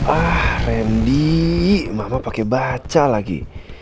ah randy mama pakai baca lagi